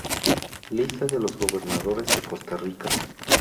Lista de los Gobernadores de Costa Rica